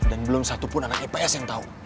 dan belum satu pun anak eps yang tau